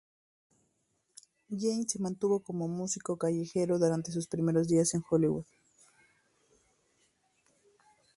Jane se mantuvo como músico callejero durante sus primeros días en Hollywood.